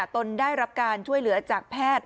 ตนได้รับการช่วยเหลือจากแพทย์